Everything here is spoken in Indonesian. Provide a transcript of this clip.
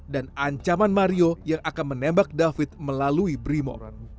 dan ancaman mario yang akan menembak david melalui brimo